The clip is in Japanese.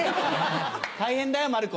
大変だよ馬るこ。